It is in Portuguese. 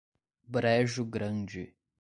Brejo Grande